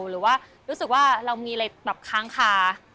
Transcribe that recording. หรือว่ารู้สึกว่าเรามีอะไรแบบค้างคา